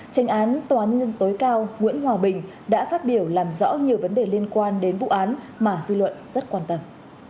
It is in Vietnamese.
tranh án tòa án nhân dân tối cao nguyễn hòa bình đã phát biểu làm rõ nhiều vấn đề liên quan đến vụ án mà dư luận rất quan tâm